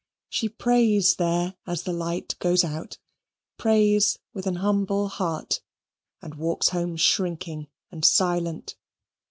She prays there as the light goes out, prays with an humble heart, and walks home shrinking and silent.